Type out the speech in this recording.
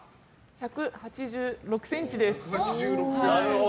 １８６ｃｍです。